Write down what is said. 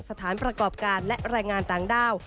สถานประกอบการและแรงงานต่างด้าว